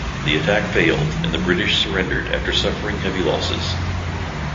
The attack failed and the British surrendered after suffering heavy losses.